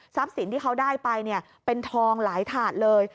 สินที่เขาได้ไปเป็นทองหลายถาดเลย